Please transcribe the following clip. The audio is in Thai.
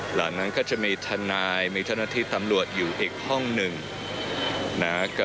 หลังจากนั้นก็จะมีทนายมีเจ้าหน้าที่ตำรวจอยู่อีกห้องหนึ่งนะ